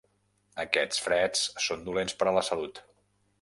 Aquests freds són dolents per a la salut.